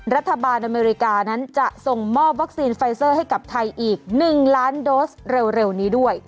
รัฐบาลอเมริกานั้นจะส่งมอบวัคซีนไฟเซอร์ให้กับไทยอีก๑ล้านโดสเร็วนี้ด้วย